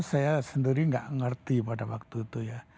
saya sendiri nggak ngerti pada waktu itu ya